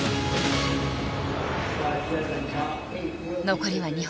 残りは２本。